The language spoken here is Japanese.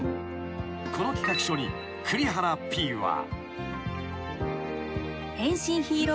［この企画書に栗原Ｐは］